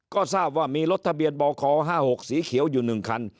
ก็ทราบว่ามีรถทะเบียนบค๕๖สีเขียวอยู่๑คัน